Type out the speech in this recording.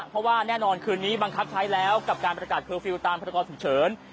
เพราะว่าแน่นอนคืนนี้บังคับใช้แล้วกับการประกาศเคอร์ฟิลล์ตามพรกรฉุกเฉิน